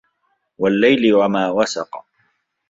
وَاللَّيلِ وَما وَسَقَ